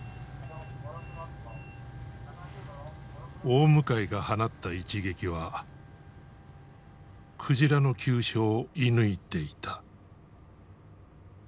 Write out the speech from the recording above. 大向が放った一撃は鯨の急所を射ぬいていた。